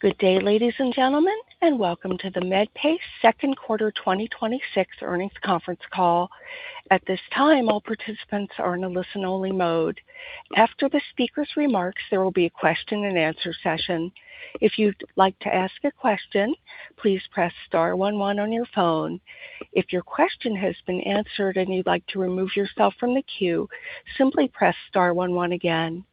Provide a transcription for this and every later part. Good day, ladies and gentlemen, and welcome to the Medpace second quarter 2026 earnings conference call. At this time, all participants are in a listen-only mode. After the speaker's remarks, there will be a question and answer session. If you'd like to ask a question, please press star one one on your phone. If your question has been answered and you'd like to remove yourself from the queue, simply press star one one again.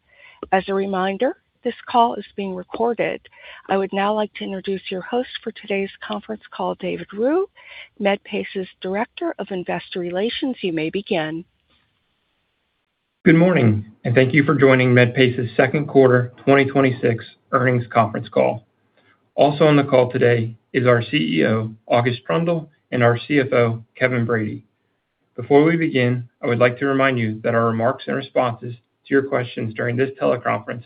As a reminder, this call is being recorded. I would now like to introduce your host for today's conference call, David Ruhe, Medpace's Director of Investor Relations. You may begin. Good morning, and thank you for joining Medpace's second quarter 2026 earnings conference call. Also on the call today is our CEO, August Troendle, and our CFO, Kevin Brady. Before we begin, I would like to remind you that our remarks and responses to your questions during this teleconference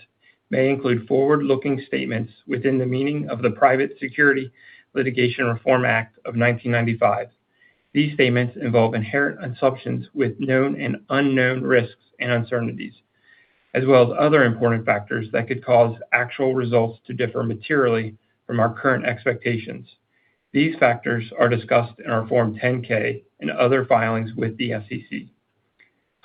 may include forward-looking statements within the meaning of the Private Securities Litigation Reform Act of 1995. These statements involve inherent assumptions with known and unknown risks and uncertainties, as well as other important factors that could cause actual results to differ materially from our current expectations. These factors are discussed in our Form 10-K and other filings with the SEC.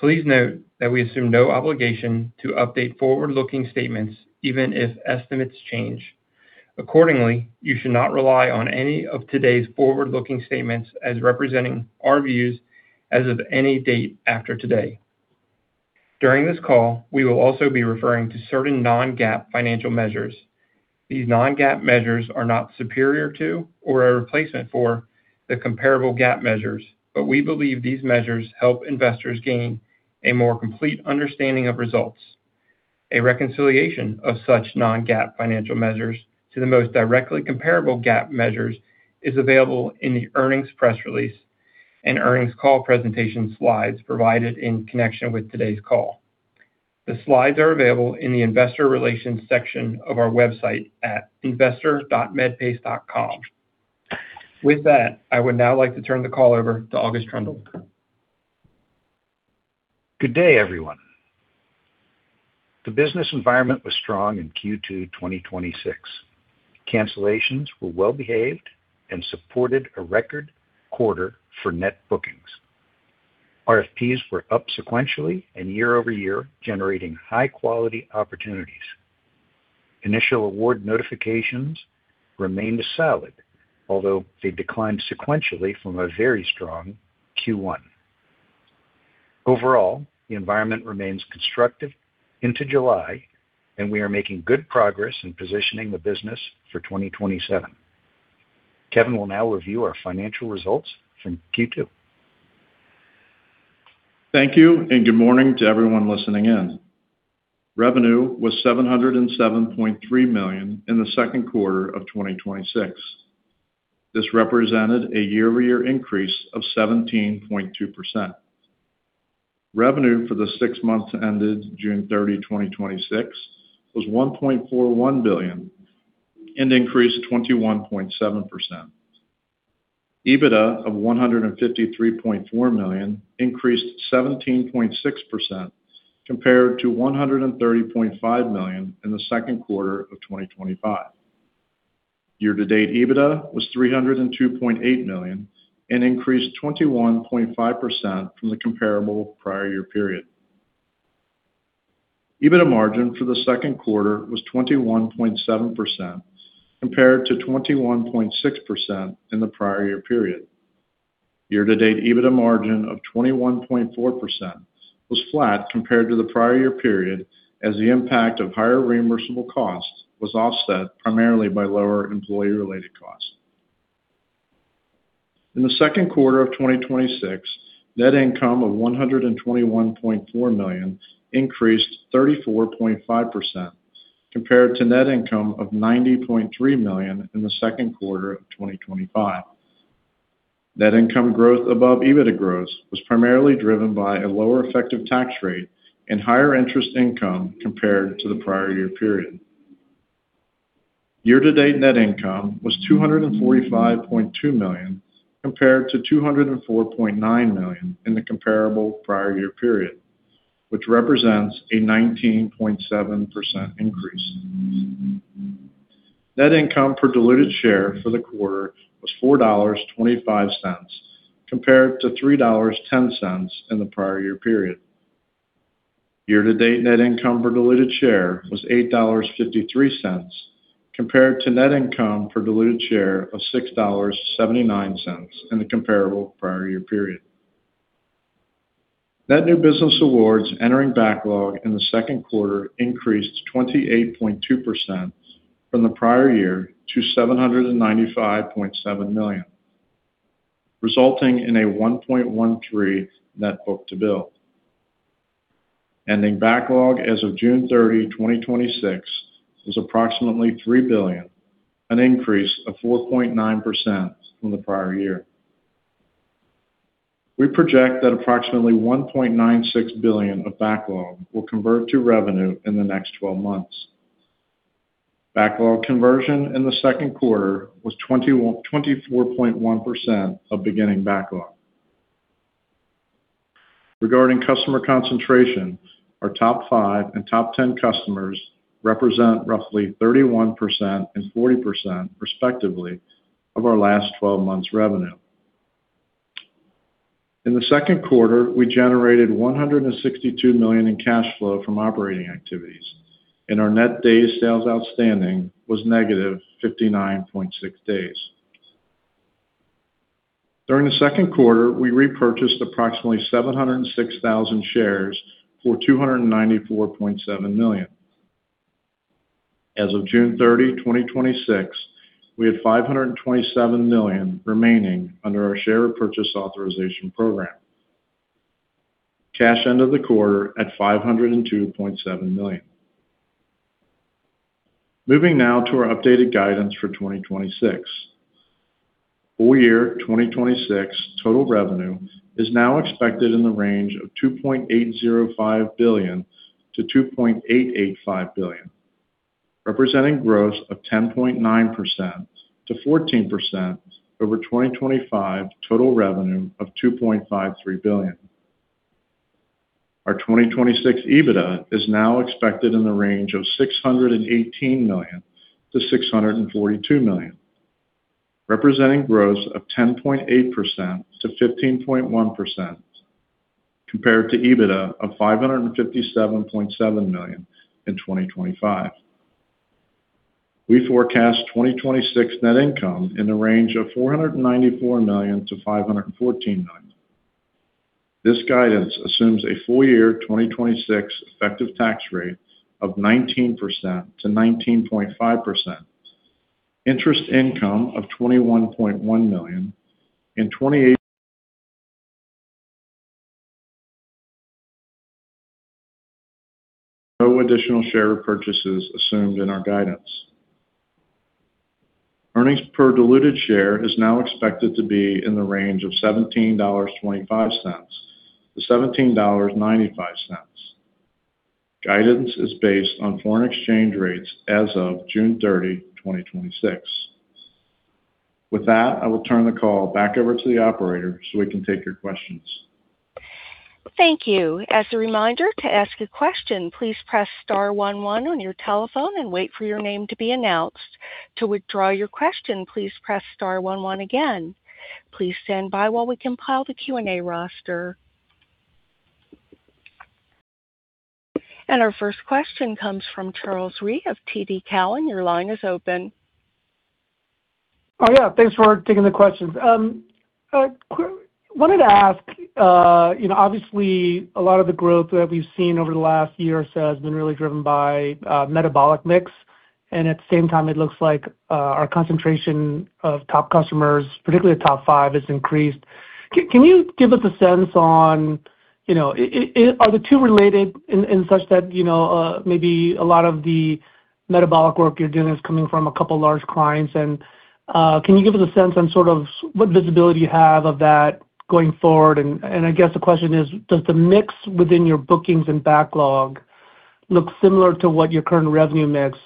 Please note that we assume no obligation to update forward-looking statements, even if estimates change. Accordingly, you should not rely on any of today's forward-looking statements as representing our views as of any date after today. During this call, we will also be referring to certain non-GAAP financial measures. These non-GAAP measures are not superior to or a replacement for the comparable GAAP measures, but we believe these measures help investors gain a more complete understanding of results. A reconciliation of such non-GAAP financial measures to the most directly comparable GAAP measures is available in the earnings press release and earnings call presentation slides provided in connection with today's call. The slides are available in the investor relations section of our website at investor.medpace.com. With that, I would now like to turn the call over to August Troendle. Good day, everyone. The business environment was strong in Q2 2026. Cancellations were well-behaved and supported a record quarter for net bookings. RFPs were up sequentially and year-over-year, generating high-quality opportunities. Initial award notifications remained solid, although they declined sequentially from a very strong Q1. Overall, the environment remains constructive into July, we are making good progress in positioning the business for 2027. Kevin will now review our financial results from Q2. Thank you, and good morning to everyone listening in. Revenue was $707.3 million in the second quarter of 2026. This represented a year-over-year increase of 17.2%. Revenue for the six months ended June 30, 2026, was $1.41 billion, and increased 21.7%. EBITDA of $153.4 million increased 17.6%, compared to $130.5 million in the second quarter of 2025. Year-to-date EBITDA was $302.8 million and increased 21.5% from the comparable prior year period. EBITDA margin for the second quarter was 21.7%, compared to 21.6% in the prior year period. Year-to-date EBITDA margin of 21.4% was flat compared to the prior year period, as the impact of higher reimbursable costs was offset primarily by lower employee-related costs. In the second quarter of 2026, net income of $121.4 million increased 34.5%, compared to net income of $90.3 million in the second quarter of 2025. Net income growth above EBITDA growth was primarily driven by a lower effective tax rate and higher interest income compared to the prior year period. Year-to-date net income was $245.2 million compared to $204.9 million in the comparable prior year period, which represents a 19.7% increase. Net income per diluted share for the quarter was $4.25 compared to $3.10 in the prior year period. Year-to-date net income per diluted share was $8.53 compared to net income per diluted share of $6.79 in the comparable prior year period. Net new business awards entering backlog in the second quarter increased 28.2% from the prior year to $795.7 million, resulting in a 1.13 net book-to-bill. Ending backlog as of June 30, 2026, was approximately $3 billion, an increase of 4.9% from the prior year. We project that approximately $1.96 billion of backlog will convert to revenue in the next 12 months. Backlog conversion in the second quarter was 24.1% of beginning backlog. Regarding customer concentration, our top five and top 10 customers represent roughly 31% and 40%, respectively, of our last 12 months revenue. In the second quarter, we generated $162 million in cash flow from operating activities, and our net days sales outstanding was -59.6 days. During the second quarter, we repurchased approximately 706,000 shares for $294.7 million. As of June 30, 2026, we had $527 million remaining under our share repurchase authorization program. Cash end of the quarter at $502.7 million. Moving now to our updated guidance for 2026. Full year 2026 total revenue is now expected in the range of $2.805 billion-$2.885 billion, representing growth of 10.9% to 14% over 2025 total revenue of $2.53 billion. Our 2026 EBITDA is now expected in the range of $618 million-$642 million, representing growth of 10.8% to 15.1% compared to EBITDA of $557.7 million in 2025. We forecast 2026 net income in the range of $494 million-$514 million. This guidance assumes a full-year 2026 effective tax rate of 19%-19.5%, interest income of $21.1 million and no additional share repurchases assumed in our guidance. Earnings per diluted share is now expected to be in the range of $17.25-$17.95. Guidance is based on foreign exchange rates as of June 30, 2026. With that, I will turn the call back over to the operator so we can take your questions. Thank you. As a reminder to ask a question, please press star one one on your telephone and wait for your name to be announced. To withdraw your question, please press star one one again. Please stand by while we compile the Q&A roster. Our first question comes from Charles Rhyee of TD Cowen. Your line is open. Oh, yeah. Thanks for taking the questions. Wanted to ask, obviously a lot of the growth that we've seen over the last year or so has been really driven by metabolic mix, and at the same time, it looks like our concentration of top customers, particularly the top five, has increased. Can you give us a sense on, are the two related in such that maybe a lot of the metabolic work you're doing is coming from a couple large clients? Can you give us a sense on sort of what visibility you have of that going forward? I guess the question is, does the mix within your bookings and backlog look similar to what your current revenue mix?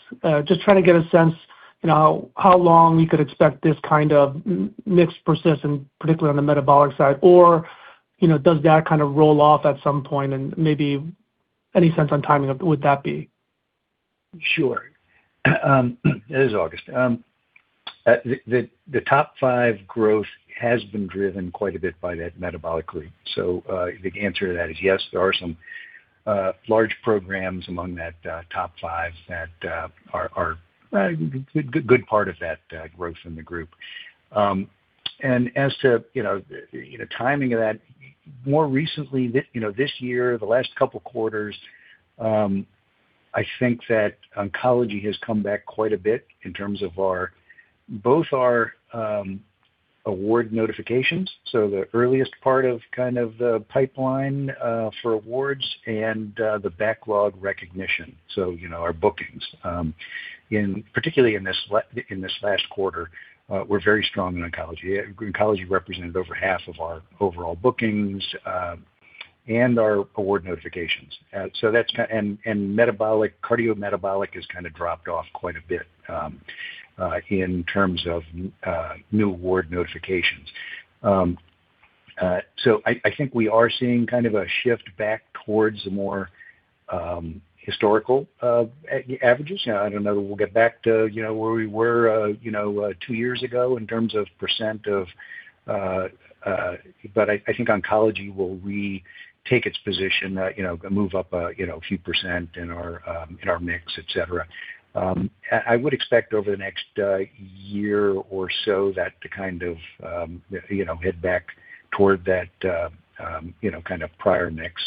Just trying to get a sense how long we could expect this kind of mix persist, and particularly on the metabolic side, or does that kind of roll off at some point? Maybe any sense on timing of would that be? Sure. It is August. The top five growth has been driven quite a bit by that metabolically. The answer to that is yes, there are some large programs among that top five that are a good part of that growth in the group. As to the timing of that, more recently, this year, the last couple of quarters, I think that oncology has come back quite a bit in terms of both our award notifications. The earliest part of the pipeline for awards and the backlog recognition. Our bookings. Particularly in this last quarter, we're very strong in oncology. Oncology represented over half of our overall bookings, and our award notifications. Cardiometabolic has kind of dropped off quite a bit in terms of new award notifications. I think we are seeing kind of a shift back towards the more historical averages. I don't know that we'll get back to where we were two years ago in terms of percent of, but I think oncology will retake its position, move up a few percent in our mix, et cetera. I would expect over the next year or so that to kind of head back toward that kind of prior mix.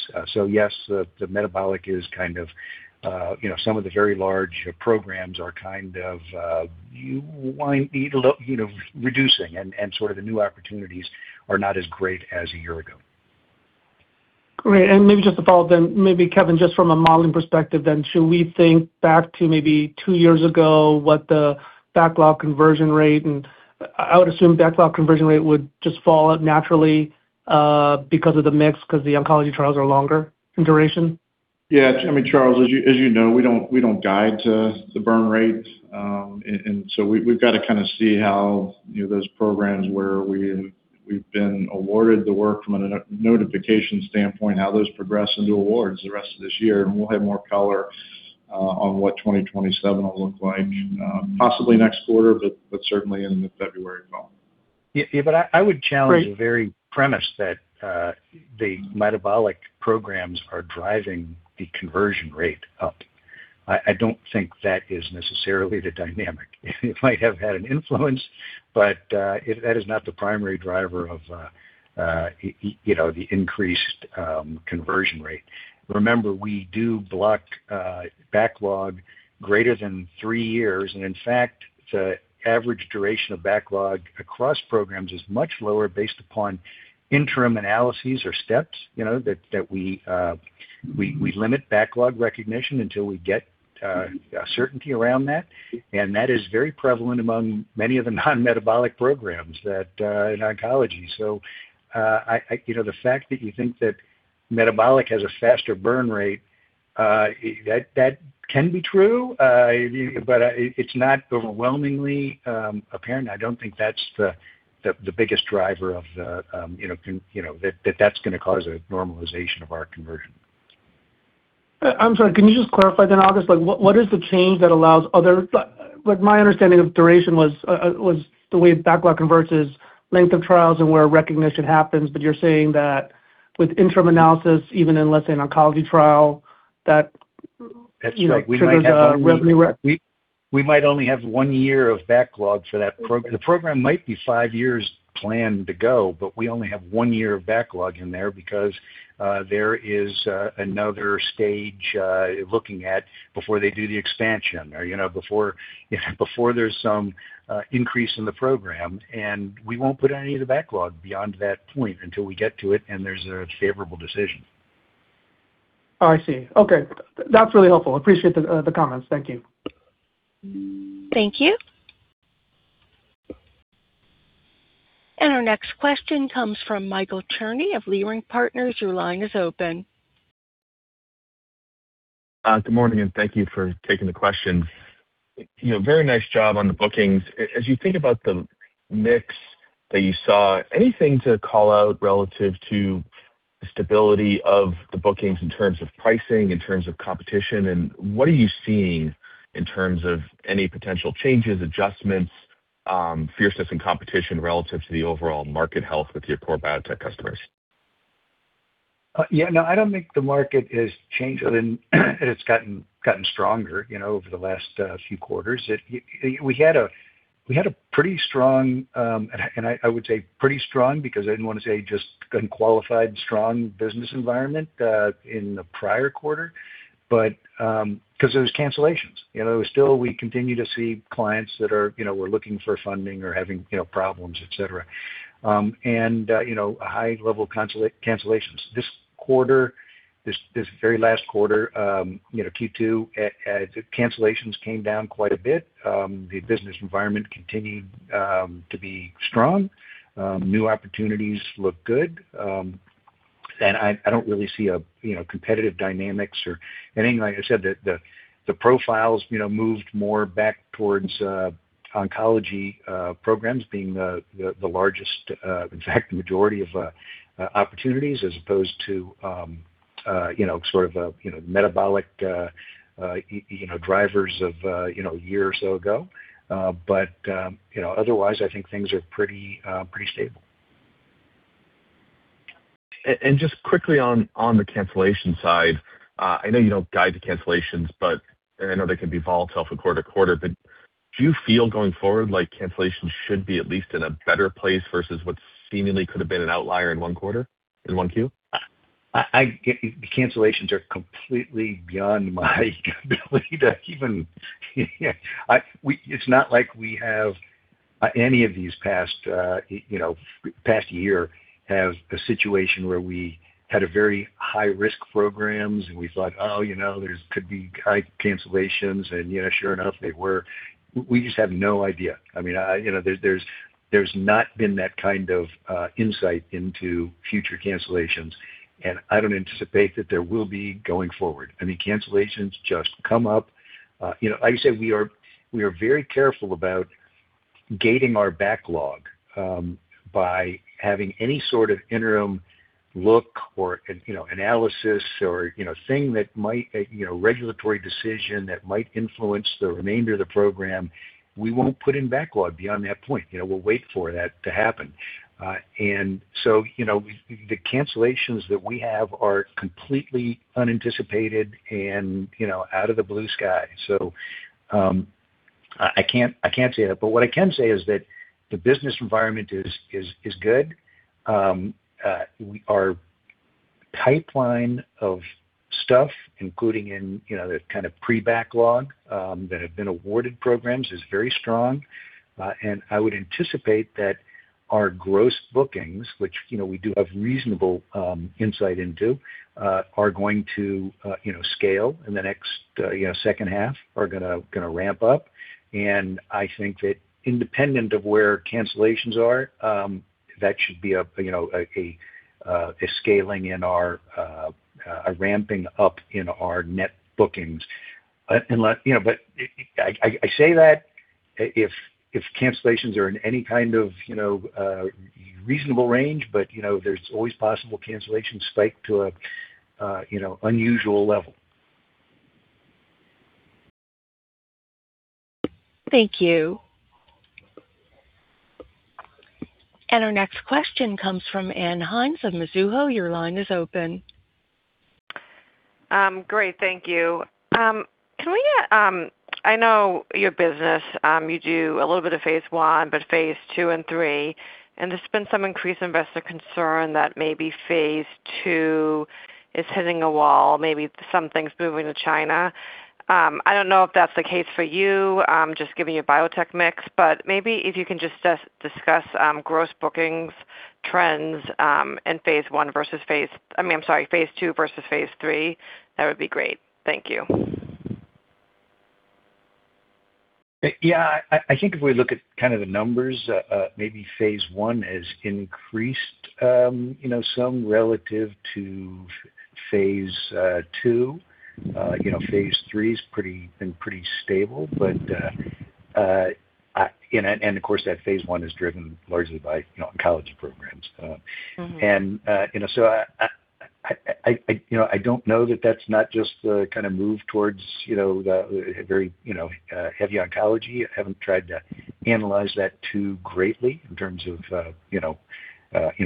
Yes, the metabolic is kind of, some of the very large programs are kind of reducing and sort of the new opportunities are not as great as a year ago. Great. Maybe just to follow up then, Kevin, just from a modeling perspective then, should we think back to maybe two years ago what the backlog conversion rate? I would assume backlog conversion rate would just fall naturally because of the mix, because the oncology trials are longer in duration? Yeah. I mean, Charles, as you know, we don't guide to the burn rate. We've got to kind of see how those programs where we've been awarded the work from a notification standpoint, how those progress into awards the rest of this year, and we'll have more color on what 2027 will look like, possibly next quarter, but certainly in the February call. Yeah. I would challenge the very premise that the metabolic programs are driving the conversion rate up. I don't think that is necessarily the dynamic. It might have had an influence, but that is not the primary driver of the increased conversion rate. Remember, we do block backlog greater than three years, in fact, the average duration of backlog across programs is much lower based upon interim analyses or steps that we limit backlog recognition until we get certainty around that. That is very prevalent among many of the non-metabolic programs in oncology. The fact that you think that metabolic has a faster burn rate, that can be true, but it's not overwhelmingly apparent, and I don't think that's the biggest driver of that's going to cause a normalization of our conversion. I'm sorry, can you just clarify, August, what is the change that allows My understanding of duration was the way backlog converts is length of trials and where recognition happens, but you're saying that with interim analysis, even in, let's say, an oncology trial, that triggers a revenue rec? We might only have one year of backlog for that program. The program might be five years planned to go, but we only have one year of backlog in there because there is another stage looking at before they do the expansion or before there's some increase in the program, and we won't put any of the backlog beyond that point until we get to it and there's a favorable decision. Oh, I see. Okay. That's really helpful. Appreciate the comments. Thank you. Thank you. Our next question comes from Michael Cherny of Leerink Partners. Your line is open. Good morning. Thank you for taking the question. Very nice job on the bookings. As you think about the mix that you saw, anything to call out relative to the stability of the bookings in terms of pricing, in terms of competition? What are you seeing in terms of any potential changes, adjustments, fierceness in competition relative to the overall market health with your core biotech customers? No, I don't think the market has changed. It's gotten stronger over the last few quarters. We had a pretty strong, I would say pretty strong because I didn't want to say just unqualified strong business environment in the prior quarter, because there were cancellations. Still, we continue to see clients that were looking for funding or having problems, et cetera. A high level of cancellations. This quarter, this very last quarter, Q2, cancellations came down quite a bit. The business environment continued to be strong. New opportunities look good. I don't really see competitive dynamics or anything. Like I said, the profiles moved more back towards oncology programs being the largest, in fact, the majority of opportunities as opposed to sort of metabolic drivers of a year or so ago. Otherwise, I think things are pretty stable. Just quickly on the cancellation side, I know you don't guide to cancellations, I know they can be volatile from quarter to quarter. Do you feel going forward, like cancellations should be at least in a better place versus what seemingly could have been an outlier in one quarter, in one Q? The cancellations are completely beyond my ability. It's not like we have any of these past year had a situation where we had a very high-risk programs. We thought, "Oh, there could be high cancellations." Sure enough, they were. We just have no idea. There's not been that kind of insight into future cancellations. I don't anticipate that there will be going forward. Cancellations just come up. Like I said, we are very careful about gating our backlog by having any sort of interim look or analysis or thing that might, regulatory decision that might influence the remainder of the program, we won't put in backlog beyond that point. We'll wait for that to happen. The cancellations that we have are completely unanticipated and out of the blue sky. I can't say that. What I can say is that the business environment is good. Our pipeline of stuff, including in the kind of pre-backlog that have been awarded programs, is very strong. I would anticipate that our gross bookings, which we do have reasonable insight into, are going to scale in the next second half, are going to ramp up. I think that independent of where cancellations are, that should be a scaling in our a ramping up in our net bookings. I say that if cancellations are in any kind of reasonable range, but there's always possible cancellations spike to an unusual level. Thank you. Our next question comes from Ann Hynes of Mizuho. Your line is open. Great. Thank you. I know your business. You do a little bit of phase I, but phase II and III, and there's been some increased investor concern that maybe phase II is hitting a wall, maybe something's moving to China. I don't know if that's the case for you. I'm just giving you a biotech mix, but maybe if you can just discuss gross bookings trends, and phase I versus phase, I'm sorry, phase II versus phase III, that would be great. Thank you. Yeah. I think if we look at kind of the numbers, maybe phase I has increased some relative to phase II. Phase III's been pretty stable, and of course, that phase I is driven largely by oncology programs. I don't know that that's not just the kind of move towards the very heavy oncology. I haven't tried to analyze that too greatly in terms of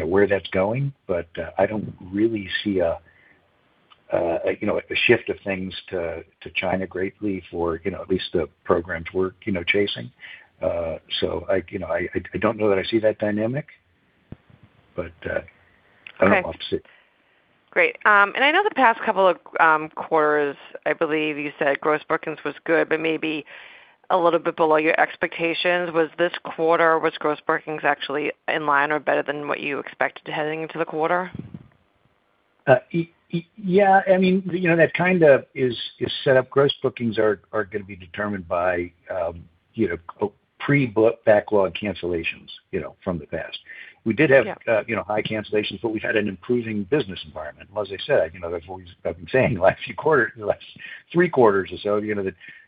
where that's going. I don't really see a shift of things to China greatly for at least the programs we're chasing. I don't know that I see that dynamic. Okay I don't opposite. Great. I know the past couple of quarters, I believe you said gross bookings was good, but maybe a little bit below your expectations. Was gross bookings this quarter actually in line or better than what you expected heading into the quarter? Yeah. That kind of is set up. Gross bookings are going to be determined by pre-booked backlog cancellations from the past. Yeah We did have high cancellations, we've had an improving business environment. As I said, that's what we've been saying last few quarter, last three quarters or so,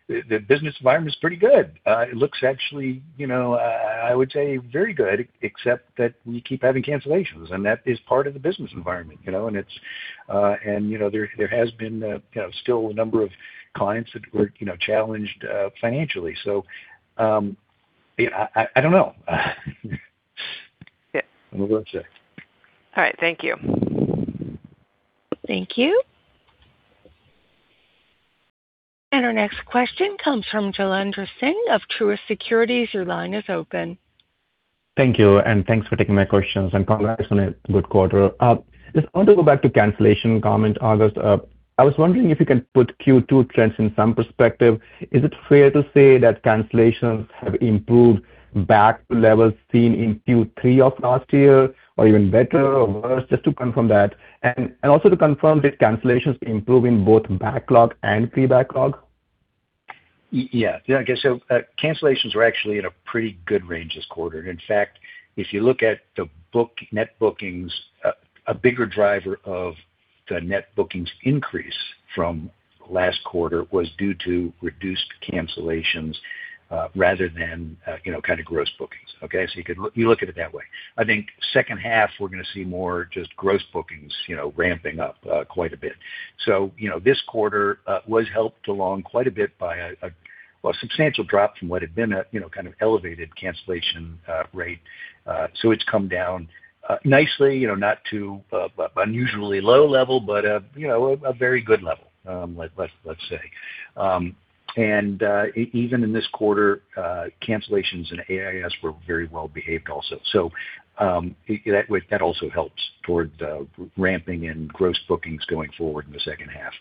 the business environment is pretty good. It looks actually, I would say very good except that we keep having cancellations and that is part of the business environment. There has been still a number of clients that were challenged financially. I don't know. Yeah. I'm not sure. All right. Thank you. Thank you. Our next question comes from Jailendra Singh of Truist Securities. Your line is open. Thank you, and thanks for taking my questions, and congrats on a good quarter. I just want to go back to cancellation comment, August. I was wondering if you can put Q2 trends in some perspective. Is it fair to say that cancellations have improved back to levels seen in Q3 of last year or even better or worse? Just to confirm that. Also to confirm, did cancellations improve in both backlog and pre-backlog? Yeah. I guess so. Cancellations were actually at a pretty good range this quarter. In fact, if you look at the net bookings, a bigger driver of the net bookings increase from last quarter was due to reduced cancellations, rather than kind of gross bookings. Okay? You look at it that way. I think second half, we're going to see more just gross bookings ramping up quite a bit. This quarter was helped along quite a bit by a substantial drop from what had been a kind of elevated cancellation rate. It's come down nicely, not to unusually low level, but a very good level, let's say. Even in this quarter, cancellations and AIS were very well-behaved also. That also helps toward the ramping in gross bookings going forward in the second half.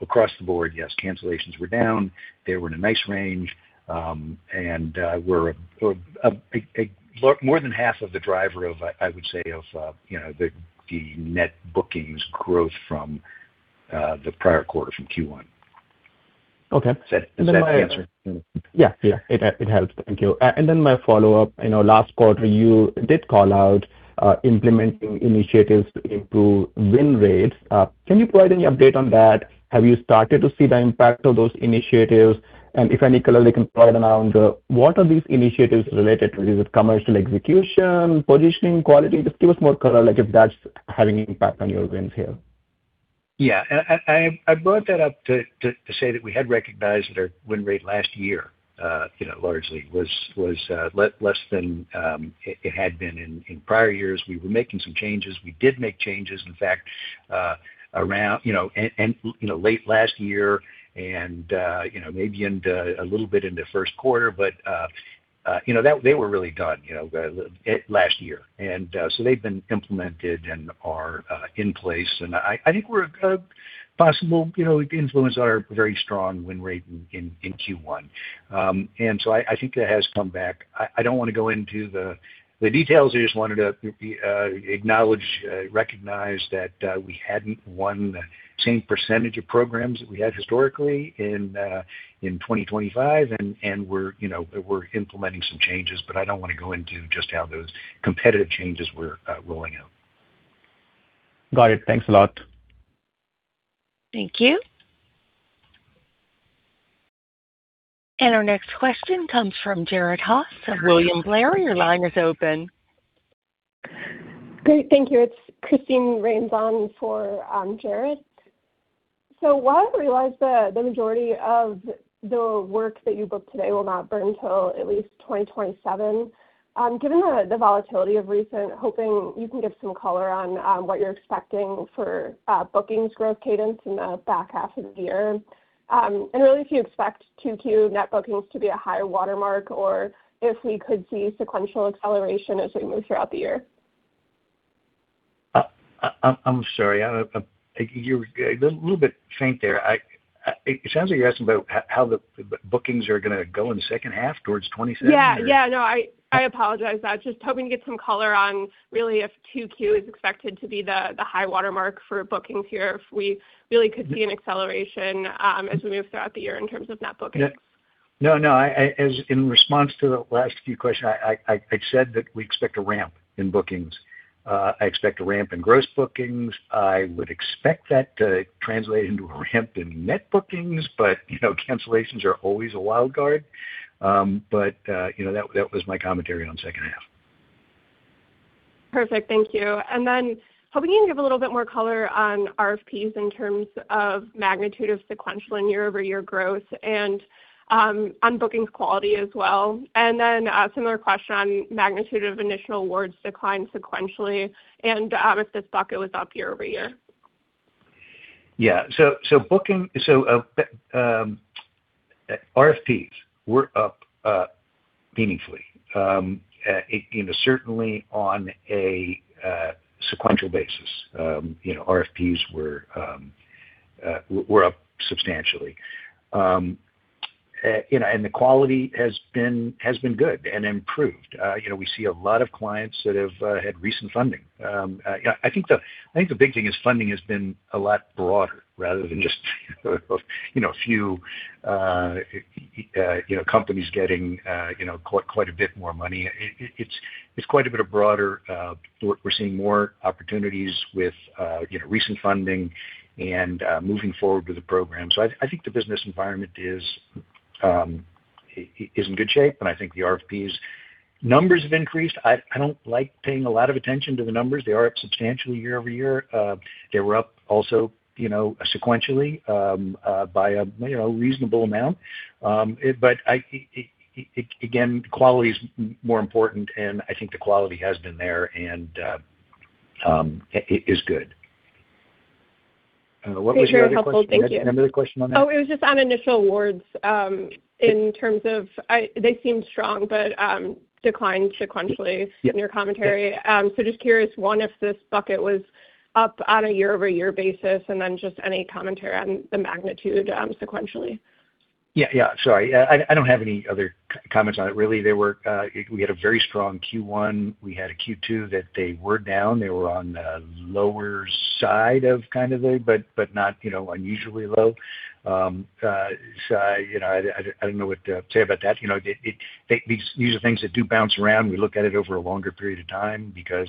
Across the board, yes, cancellations were down. They were in a nice range. Were more than half of the driver, I would say, of the net bookings growth from the prior quarter from Q1. Okay. Does that answer? Yeah. It helps. Thank you. My follow-up. I know last quarter you did call out implementing initiatives to improve win rates. Can you provide any update on that? Have you started to see the impact of those initiatives? If any color they can provide around what are these initiatives related to? Is it commercial execution, positioning, quality? Just give us more color, like if that's having an impact on your wins here. Yeah. I brought that up to say that we had recognized that our win rate last year, largely was less than it had been in prior years. We were making some changes. We did make changes, in fact, late last year and maybe a little bit in the first quarter. They were really done last year. They've been implemented and are in place. I think we're a possible influence on our very strong win rate in Q1. I think that has come back. I don't want to go into the details. I just wanted to acknowledge, recognize that we hadn't won the same percentage of programs that we had historically in 2025. We're implementing some changes, but I don't want to go into just how those competitive changes we're rolling out. Got it. Thanks a lot. Thank you. Our next question comes from Jared Haase of William Blair. Your line is open. Great. Thank you. It's Christine Rains on for Jared. While I realize the majority of the work that you booked today will not burn till at least 2027, given the volatility of recent, hoping you can give some color on what you're expecting for bookings growth cadence in the back half of the year. Really, if you expect 2Q net bookings to be a high water mark or if we could see sequential acceleration as we move throughout the year. I'm sorry. You're a little bit faint there. It sounds like you're asking about how the bookings are going to go in the second half towards 2027. Yeah. No, I apologize. I was just hoping to get some color on really if 2Q is expected to be the high water mark for bookings here, if we really could see an acceleration, as we move throughout the year in terms of net bookings. No, no. In response to the last few questions, I said that we expect a ramp in bookings. I expect a ramp in gross bookings. I would expect that to translate into a ramp in net bookings, but cancellations are always a wild card. That was my commentary on second half. Perfect. Thank you. Hoping you can give a little bit more color on RFPs in terms of magnitude of sequential and year-over-year growth on bookings quality as well. A similar question on magnitude of initial awards declined sequentially, and if this bucket was up year-over-year. RFPs were up meaningfully. Certainly on a sequential basis. RFPs were up substantially. The quality has been good and improved. We see a lot of clients that have had recent funding. I think the big thing is funding has been a lot broader rather than just a few companies getting quite a bit more money. It's quite a bit broader. We're seeing more opportunities with recent funding and moving forward with the program. I think the business environment is in good shape, and I think the RFPs numbers have increased. I don't like paying a lot of attention to the numbers. They are up substantially year-over-year. They were up also sequentially, by a reasonable amount. Again, quality is more important, and I think the quality has been there and is good. What was your other question? Very helpful. Thank you. You had another question on that? It was just on initial awards, in terms of, they seemed strong, but declined sequentially. Yeah In your commentary. Just curious, one, if this bucket was up on a year-over-year basis, and then just any commentary on the magnitude, sequentially. Yeah. Sorry. I don't have any other comments on it, really. We had a very strong Q1. We had a Q2 that they were down. They were on the lower side of kind of a, but not unusually low. I don't know what to say about that. These are things that do bounce around. We look at it over a longer period of time because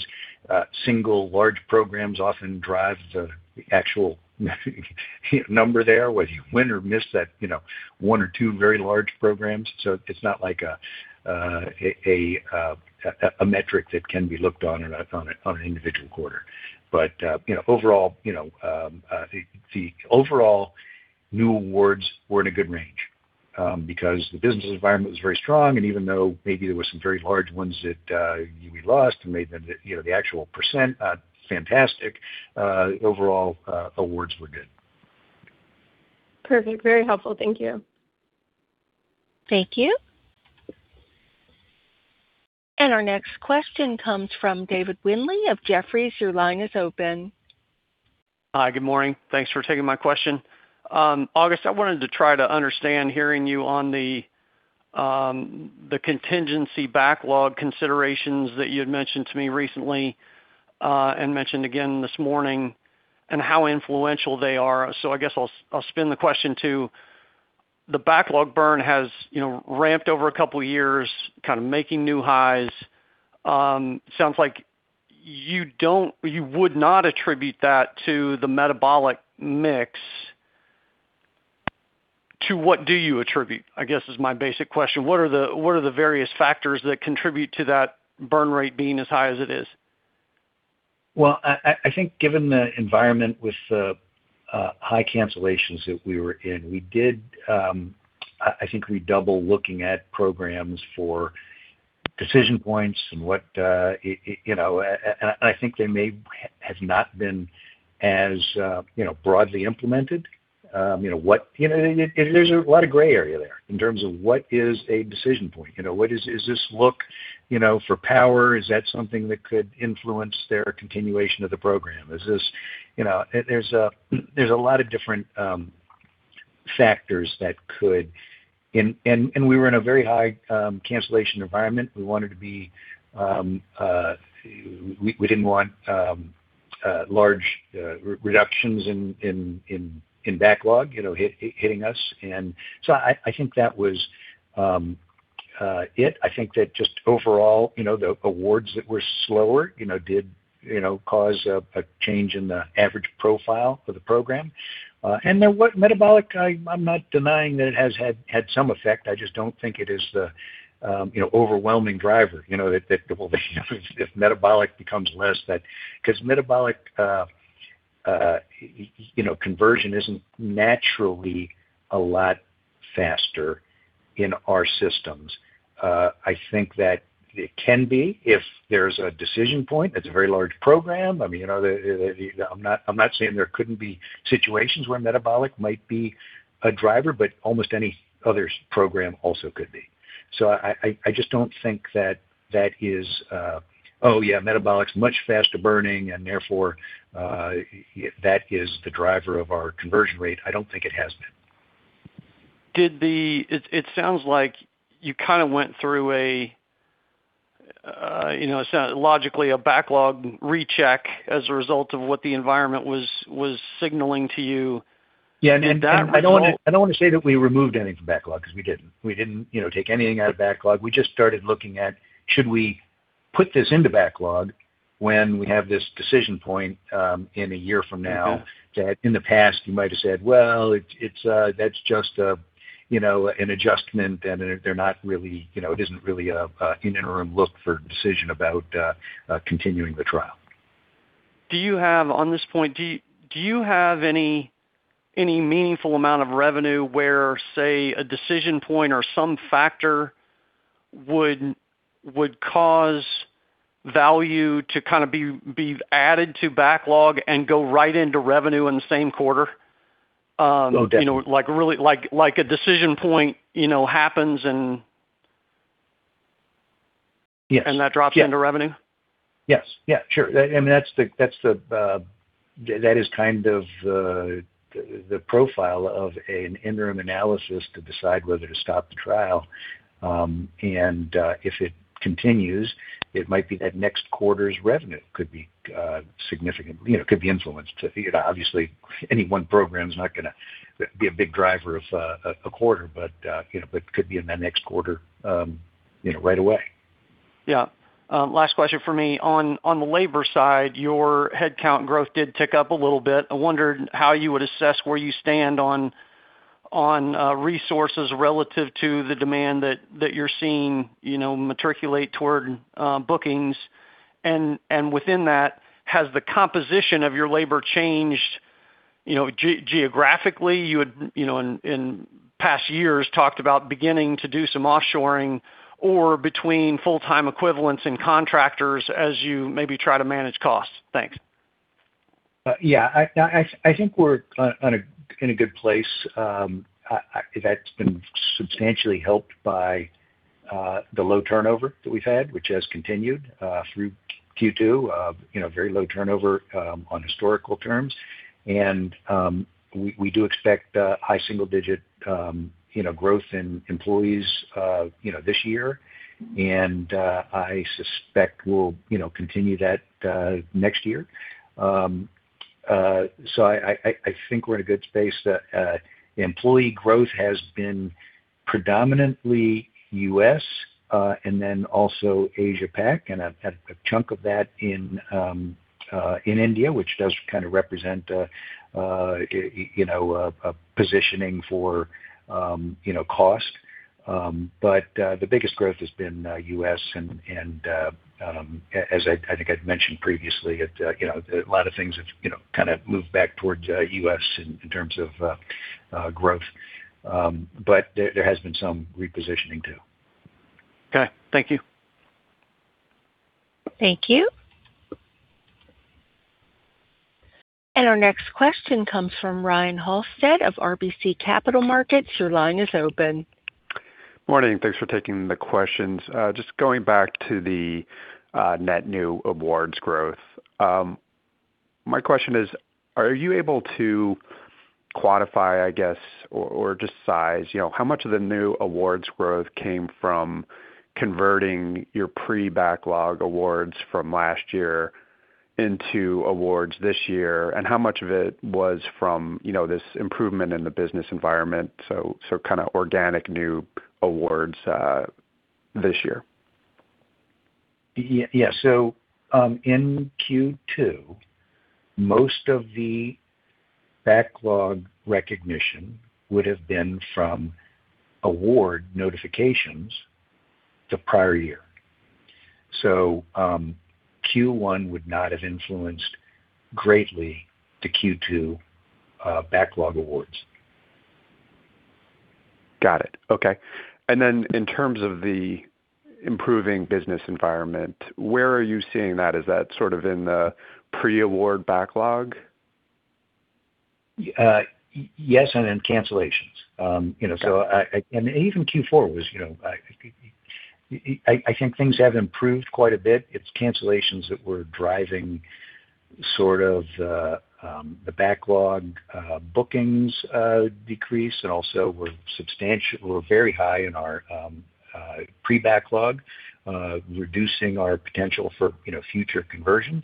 single large programs often drive the actual number there, whether you win or miss that one or two very large programs. It's not like a metric that can be looked on an individual quarter. The overall new awards were in a good range, because the business environment was very strong, and even though maybe there were some very large ones that we lost and made the actual percent not fantastic, overall, awards were good. Perfect. Very helpful. Thank you. Thank you. Our next question comes from David Windley of Jefferies. Your line is open. Hi, good morning. Thanks for taking my question. August, I wanted to try to understand hearing you on the contingency backlog considerations that you had mentioned to me recently, and mentioned again this morning, and how influential they are. I guess I'll spin the question to the backlog burn has ramped over a couple of years, kind of making new highs. Sounds like you would not attribute that to the metabolic mix. To what do you attribute, I guess is my basic question. What are the various factors that contribute to that burn rate being as high as it is? Well, I think given the environment with the high cancellations that we were in, I think we double looking at programs for decision points, and I think they may have not been as broadly implemented. There's a lot of gray area there in terms of what is a decision point. Is this look for power? Is that something that could influence their continuation of the program? There's a lot of different factors that could. We were in a very high cancellation environment. We didn't want large reductions in backlog hitting us. I think that was It. I think that just overall, the awards that were slower did cause a change in the average profile for the program. Metabolic, I'm not denying that it has had some effect, I just don't think it is the overwhelming driver, because metabolic conversion isn't naturally a lot faster in our systems. I think that it can be if there's a decision point that's a very large program. I'm not saying there couldn't be situations where metabolic might be a driver, but almost any other program also could be. I just don't think that is, "Oh, yeah, metabolic's much faster burning and therefore, that is the driver of our conversion rate." I don't think it has been. It sounds like you kind of went through a, logically, a backlog recheck as a result of what the environment was signaling to you. Yeah. That result- I don't want to say that we removed anything from backlog, because we didn't. We didn't take anything out of backlog. We just started looking at should we put this into backlog when we have this decision point in a year from now that in the past you might've said, "Well, that's just an adjustment and it isn't really an interim look for a decision about continuing the trial. On this point, do you have any meaningful amount of revenue where, say, a decision point or some factor would cause value to be added to backlog and go right into revenue in the same quarter? Oh, definitely. Like, a decision point happens and- Yes That drops into revenue? Yes. Sure. That is kind of the profile of an interim analysis to decide whether to stop the trial. If it continues, it might be that next quarter's revenue could be influenced. Obviously, any one program's not going to be a big driver of a quarter, but it could be in that next quarter right away. Yeah. Last question from me. On the labor side, your headcount growth did tick up a little bit. I wondered how you would assess where you stand on resources relative to the demand that you're seeing matriculate toward bookings. Within that, has the composition of your labor changed geographically, you had in past years talked about beginning to do some offshoring, or between full-time equivalents and contractors as you maybe try to manage costs? Thanks. Yeah. I think we're in a good place. That's been substantially helped by the low turnover that we've had, which has continued through Q2. Very low turnover on historical terms. We do expect high single-digit growth in employees this year. I suspect we'll continue that next year. I think we're in a good space. Employee growth has been predominantly U.S., then also Asia Pac, and a chunk of that in India, which does kind of represent a positioning for cost. The biggest growth has been U.S., and as I think I'd mentioned previously, a lot of things have kind of moved back towards U.S. in terms of growth. There has been some repositioning, too. Okay. Thank you. Thank you. Our next question comes from Ryan Halsted of RBC Capital Markets. Your line is open. Morning. Thanks for taking the questions. Just going back to the net new awards growth. My question is, are you able to quantify, I guess, or just size how much of the new awards growth came from converting your pre-backlog awards from last year into awards this year? How much of it was from this improvement in the business environment, so kind of organic new awards this year? Yeah. In Q2, most of the backlog recognition would've been from award notifications the prior year. Q1 would not have influenced greatly the Q2 backlog awards. Got it. Okay. In terms of the improving business environment, where are you seeing that? Is that sort of in the pre-award backlog? Yes, in cancellations. Okay. Even Q4 was, I think things have improved quite a bit. It's cancellations that were driving sort of the backlog bookings decrease, also we're very high in our pre-backlog, reducing our potential for future conversions.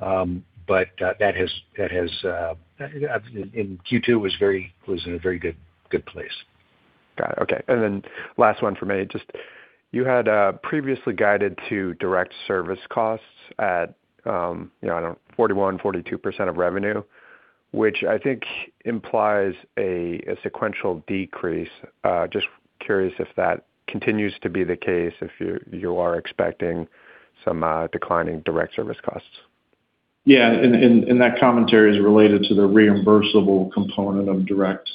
In Q2 was in a very good place. Got it. Okay. Last one from me. You had previously guided to direct service costs at, I don't know, 41%-42% of revenue, which I think implies a sequential decrease. Just curious if that continues to be the case, if you are expecting some declining direct service costs. Yeah. That commentary is related to the reimbursable component of direct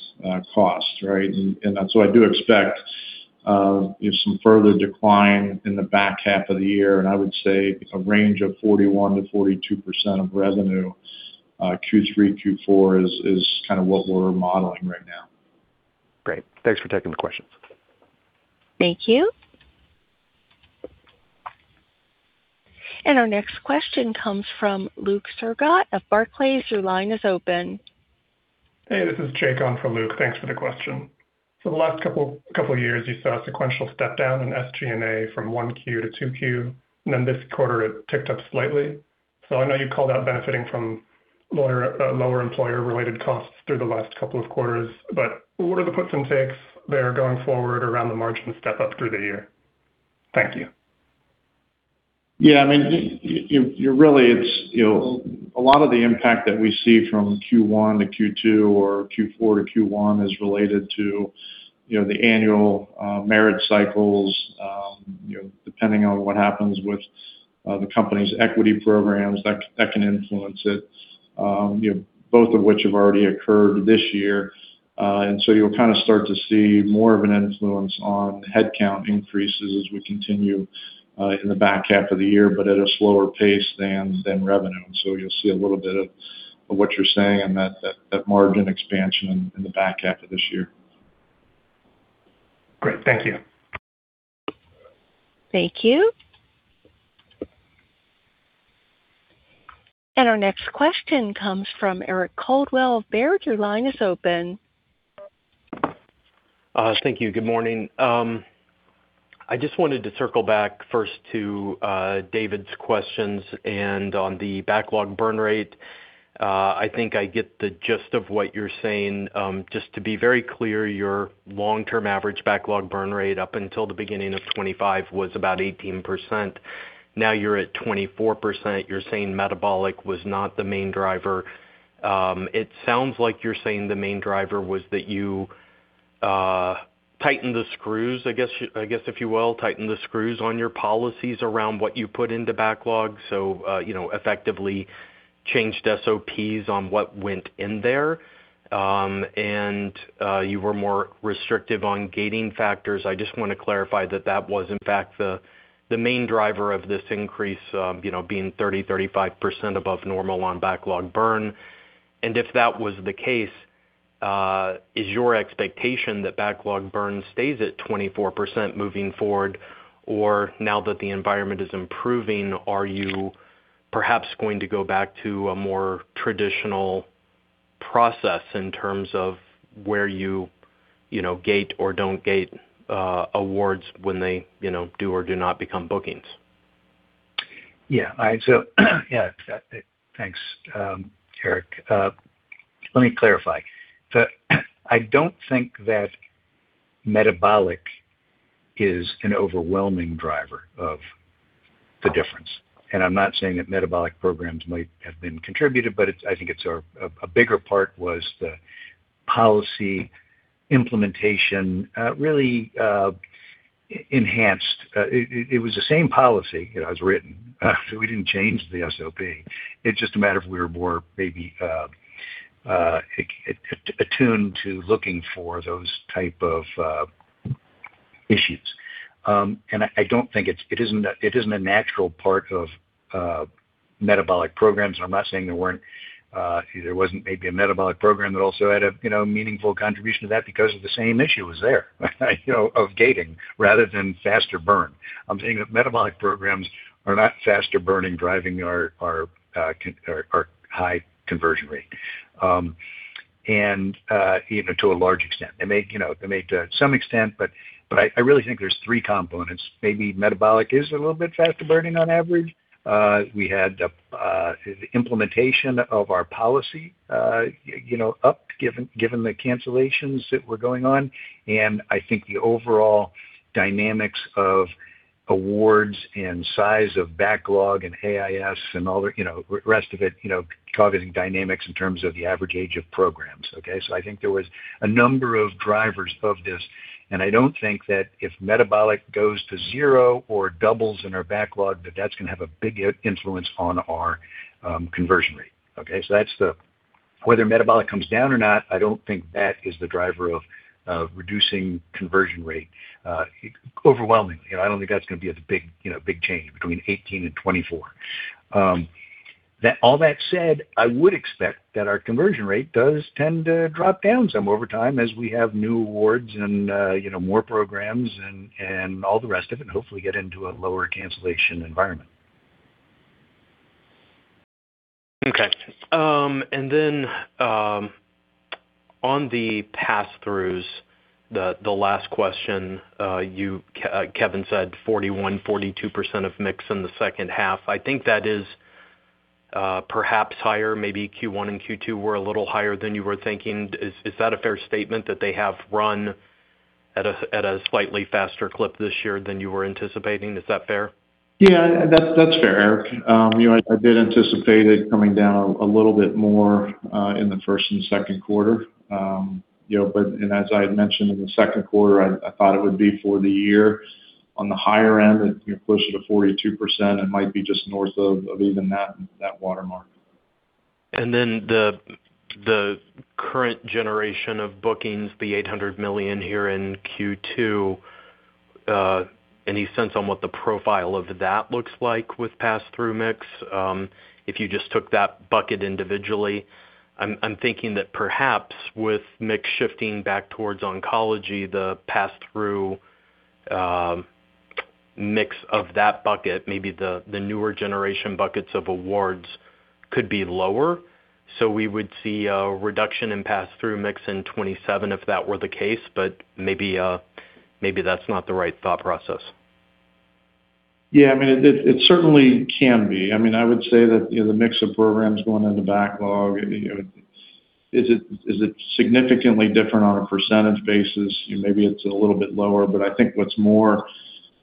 costs, right? That's what I do expect, is some further decline in the back half of the year. I would say a range of 41%-42% of revenue Q3, Q4 is kind of what we're modeling right now. Great. Thanks for taking the questions. Thank you. Our next question comes from Luke Sergott of Barclays. Your line is open. Hey, this is Jake on for Luke. Thanks for the question. For the last couple years, you saw a sequential step down in SG&A from 1Q to 2Q, this quarter it ticked up slightly. I know you called out benefiting from lower employer-related costs through the last couple of quarters, but what are the puts and takes there going forward around the margin step up through the year? Thank you. Yeah. A lot of the impact that we see from Q1 to Q2 or Q4 to Q1 is related to the annual merit cycles. Depending on what happens with the company's equity programs, that can influence it, both of which have already occurred this year. You'll kind of start to see more of an influence on headcount increases as we continue in the back half of the year, but at a slower pace than revenue. You'll see a little bit of what you're saying in that margin expansion in the back half of this year. Great. Thank you. Thank you. Our next question comes from Eric Coldwell of Baird. Your line is open. Thank you. Good morning. I just wanted to circle back first to David's questions and on the backlog burn rate. I think I get the gist of what you're saying. Just to be very clear, your long-term average backlog burn rate up until the beginning of 2025 was about 18%. Now you're at 24%. You're saying metabolic was not the main driver. It sounds like you're saying the main driver was that you tightened the screws, I guess, if you will, tightened the screws on your policies around what you put into backlog. Effectively changed SOPs on what went in there. You were more restrictive on gating factors. I just want to clarify that that was in fact the main driver of this increase, being 30%-35% above normal on backlog burn. If that was the case, is your expectation that backlog burn stays at 24% moving forward? Or now that the environment is improving, are you perhaps going to go back to a more traditional process in terms of where you gate or don't gate awards when they do or do not become bookings? Thanks, Eric. Let me clarify. I don't think that metabolic is an overwhelming driver of the difference, and I am not saying that metabolic programs might have been contributive, but I think a bigger part was the policy implementation really enhanced. It was the same policy that was written. We did not change the SOP. It is just a matter of we were more maybe attuned to looking for those type of issues. I do not think it is a natural part of metabolic programs, and I am not saying there was not maybe a metabolic program that also had a meaningful contribution to that because of the same issue was there of gating rather than faster burn. I am saying that metabolic programs are not faster burning driving our high conversion rate. Even to a large extent, they may to some extent, but I really think there are three components. Maybe metabolic is a little bit faster burning on average. We had the implementation of our policy up given the cancellations that were going on. I think the overall dynamics of awards and size of backlog and AIS and all the rest of it, causing dynamics in terms of the average age of programs. Okay? I think there was a number of drivers of this, and I do not think that if metabolic goes to zero or doubles in our backlog, that that is going to have a big influence on our conversion rate. Okay? Whether metabolic comes down or not, I do not think that is the driver of reducing conversion rate overwhelmingly. I do not think that is going to be a big change between 2018 and 2024. All that said, I would expect that our conversion rate does tend to drop down some over time as we have new awards and more programs and all the rest of it and hopefully get into a lower cancellation environment. Okay. On the pass-throughs, the last question, Kevin said 41%, 42% of mix in the second half. I think that is perhaps higher, maybe Q1 and Q2 were a little higher than you were thinking. Is that a fair statement that they have run at a slightly faster clip this year than you were anticipating? Is that fair? Yeah. That's fair, Eric. I did anticipate it coming down a little bit more in the first and second quarter. As I had mentioned in the second quarter, I thought it would be for the year on the higher end, if you push it to 42%, it might be just north of even that watermark. The current generation of bookings, the $800 million here in Q2, any sense on what the profile of that looks like with pass-through mix? If you just took that bucket individually, I'm thinking that perhaps with mix shifting back towards oncology, the pass-through mix of that bucket, maybe the newer generation buckets of awards could be lower. We would see a reduction in pass-through mix in 2027 if that were the case, maybe that's not the right thought process. Yeah, it certainly can be. I would say that the mix of programs going into backlog, is it significantly different on a percentage basis? Maybe it's a little bit lower, but I think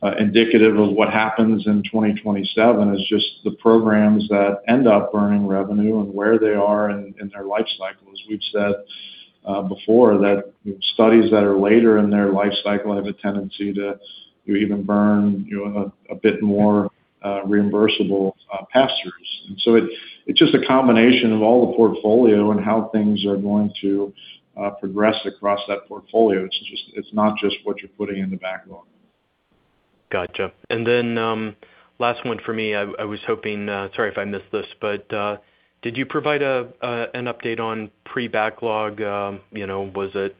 what's more indicative of what happens in 2027 is just the programs that end up earning revenue and where they are in their life cycles. We've said before that studies that are later in their life cycle have a tendency to even burn a bit more reimbursable pass-throughs. It's just a combination of all the portfolio and how things are going to progress across that portfolio. It's not just what you're putting in the backlog. Gotcha. Last one for me. I was hoping, sorry if I missed this, did you provide an update on pre-backlog? Was it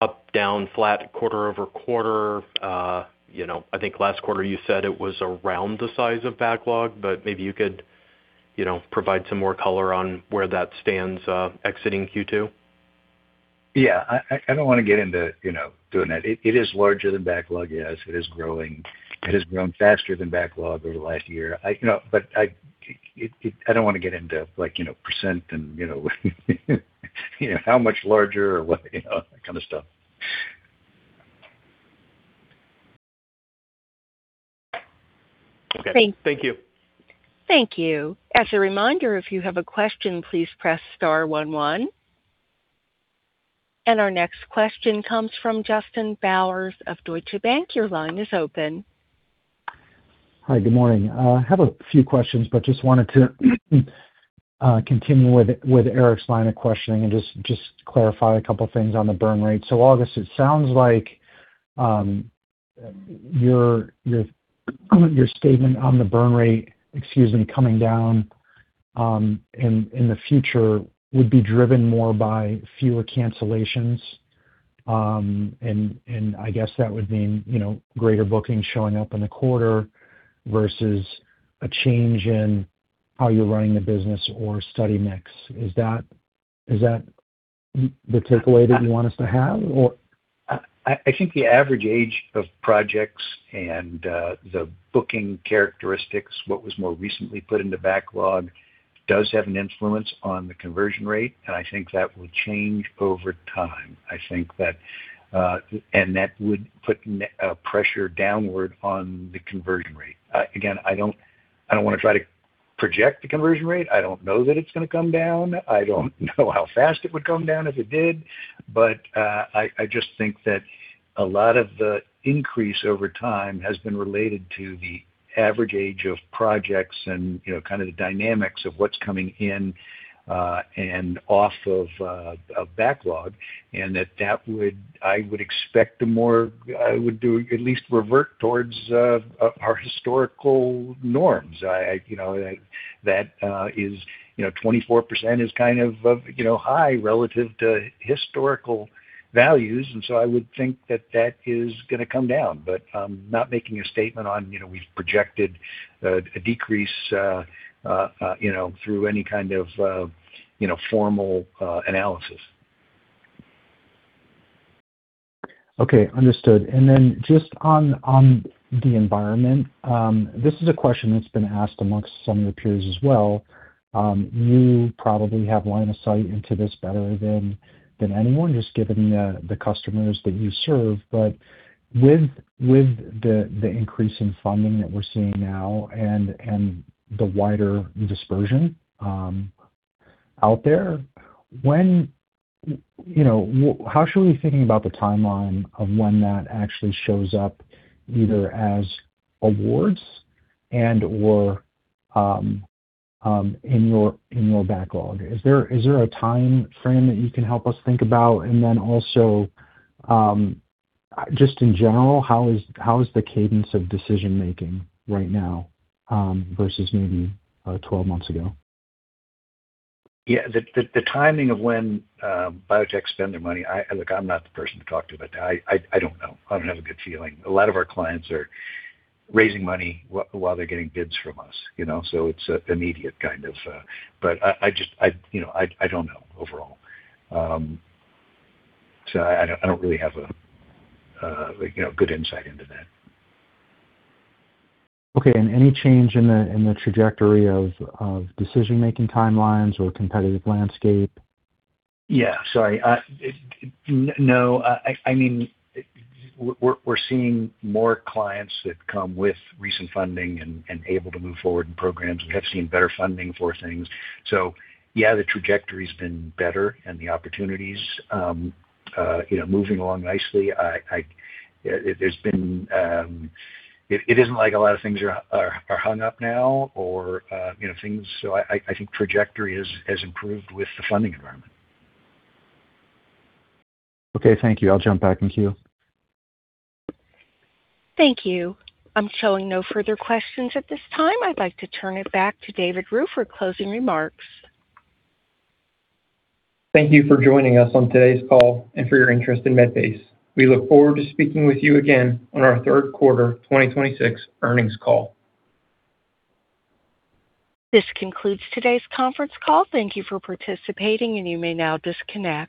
up, down, flat quarter-over-quarter? I think last quarter you said it was around the size of backlog, maybe you could provide some more color on where that stands exiting Q2. Yeah. I don't want to get into doing that. It is larger than backlog, yes. It is growing. It has grown faster than backlog over the last year. I don't want to get into percent and how much larger or what, that kind of stuff. Okay. Thank you. Thank you. As a reminder, if you have a question, please press star one one. Our next question comes from Justin Bowers of Deutsche Bank. Your line is open. Hi, good morning. I have a few questions. Just wanted to continue with Eric's line of questioning and just clarify a couple things on the burn rate. August, it sounds like your statement on the burn rate, excuse me, coming down in the future would be driven more by fewer cancellations. I guess that would mean greater bookings showing up in the quarter versus a change in how you're running the business or study mix. Is that the takeaway that you want us to have or? I think the average age of projects and the booking characteristics, what was more recently put into backlog, does have an influence on the conversion rate, and I think that will change over time. That would put pressure downward on the conversion rate. Again, I don't want to try to project the conversion rate. I don't know that it's going to come down. I don't know how fast it would come down if it did. I just think that a lot of the increase over time has been related to the average age of projects and kind of the dynamics of what's coming in and off of backlog, and that would, I would expect, the more would do at least revert towards our historical norms. That is, 24% is kind of high relative to historical values. I would think that that is going to come down. I'm not making a statement on we've projected a decrease through any kind of formal analysis. Okay. Understood. Just on the environment. This is a question that's been asked amongst some of the peers as well. You probably have line of sight into this better than anyone, just given the customers that you serve. With the increase in funding that we're seeing now and the wider dispersion out there, how should we be thinking about the timeline of when that actually shows up, either as awards and/or in your backlog? Is there a timeframe that you can help us think about? Also, just in general, how is the cadence of decision-making right now versus maybe 12 months ago? Yeah. The timing of when biotech spend their money, look, I'm not the person to talk to about that. I don't know. I don't have a good feeling. A lot of our clients are raising money while they're getting bids from us. It's immediate, kind of. I don't know overall. I don't really have a good insight into that. Okay. Any change in the trajectory of decision-making timelines or competitive landscape? Yeah. Sorry. No. We're seeing more clients that come with recent funding and able to move forward in programs. We have seen better funding for things. Yeah, the trajectory's been better and the opportunities moving along nicely. It isn't like a lot of things are hung up now. I think trajectory has improved with the funding environment. Okay, thank you. I'll jump back in queue. Thank you. I'm showing no further questions at this time. I'd like to turn it back to David Ruhe for closing remarks. Thank you for joining us on today's call and for your interest in Medpace. We look forward to speaking with you again on our third quarter 2026 earnings call. This concludes today's conference call. Thank you for participating, and you may now disconnect.